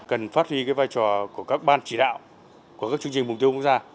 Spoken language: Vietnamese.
cần phát huy cái vai trò của các ban chỉ đạo của các chương trình mục tiêu quốc gia